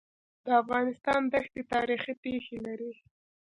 د افغانستان دښتي تاریخي پېښې لري.